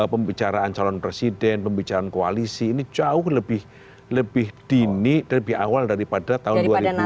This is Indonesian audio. pembicaraan calon presiden pembicaraan koalisi ini jauh lebih dini dari awal daripada tahun dua ribu empat belas dua ribu sembilan belas